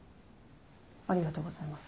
ありがとうございます。